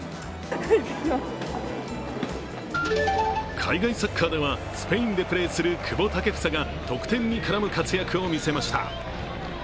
海外サッカーではスペインでプレーする久保建英が得点に絡む活躍を見せました。